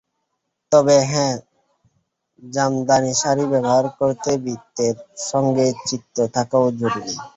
তবে হ্যাঁ, জামদানি শাড়ি ব্যবহার করতে বিত্তের সঙ্গে চিত্ত থাকাও জরুরি।